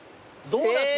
ドーナツ